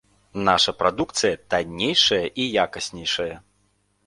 Наша прадукцыя таннейшая і якаснейшая.